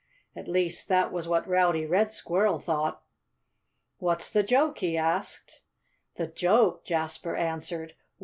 At least, that was what Rowdy Red Squirrel thought. "What's the joke?" he asked. "The joke?" Jasper answered.